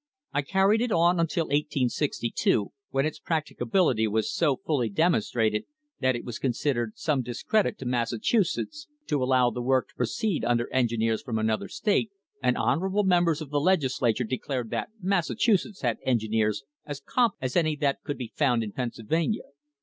I carried it on until 1862, when its practicability was so fully demonstrated that it was considered some discredit to Massachusetts to allow the work to proceed under engineers from another state, and honourable members of the Legislature declared that Massachusetts had engineers as competent as any that could be found in Pennsylvania.